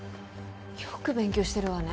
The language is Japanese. よく勉強してるわね